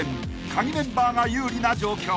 ［カギメンバーが有利な状況］